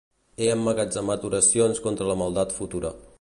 He emmagatzemat oracions contra la maldat futura.